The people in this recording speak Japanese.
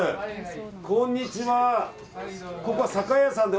こんにちは。